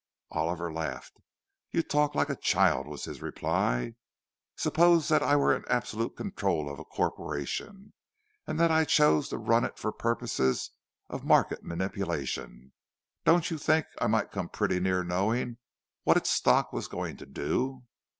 Oliver laughed. "You talk like a child," was his reply. "Suppose that I were in absolute control of a corporation, and that I chose to run it for purposes of market manipulation, don't you think I might come pretty near knowing what its stock was going to do?"